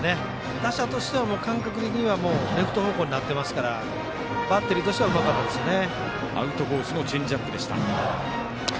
打者としては、感覚的にはレフト方向になってますからバッテリーとしてはうまかったですね。